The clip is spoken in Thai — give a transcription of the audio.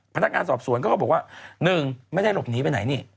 พนักการณ์สอบสวนก็บอกว่าหนึ่งไม่ได้หลบหนีไปไหนนี่